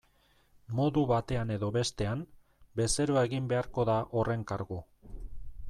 Modu batean edo bestean, bezeroa egin beharko da horren kargu.